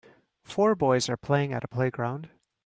Four boys are playing at a playground